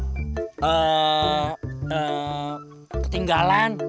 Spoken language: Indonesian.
tuh eeem eeem ketinggalan